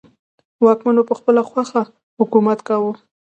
واکمنو په خپله خوښه حکومت کاوه.